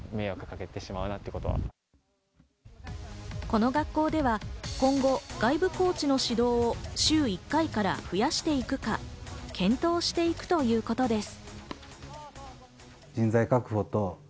この学校では今後、外部コーチの指導を週１回から増やしていくか検討していくということです。